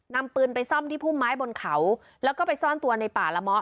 นำปืนไปซ่อมที่พุ่มไม้บนเขาแล้วก็ไปซ่อนตัวในป่าละเมาะ